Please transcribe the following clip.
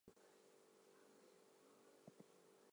Hoppe's deft maneuvering forestalled defeat.